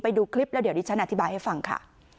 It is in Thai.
ไปดูคลิปแล้วเดี๋ยวดิฉันอธิบายให้ฟังค่ะ